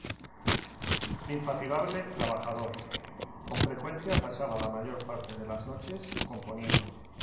Infatigable trabajador, con frecuencia pasaba la mayor parte de las noches componiendo.